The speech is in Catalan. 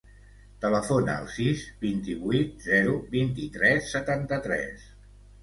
Telefona al sis, vint-i-vuit, zero, vint-i-tres, setanta-tres.